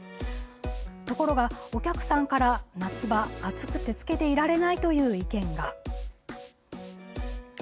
ところが、お客さんから夏場暑くて着けていられないという意見が。